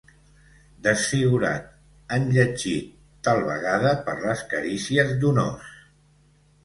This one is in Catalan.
Desfigurat, enlletgit, tal vegada per les carícies d'un ós.